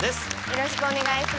よろしくお願いします。